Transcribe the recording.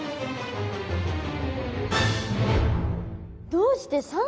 どうして？